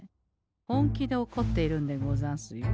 本気でおこっているんでござんすよ。